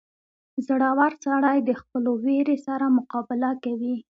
• زړور سړی د خپلو وېرې سره مقابله کوي.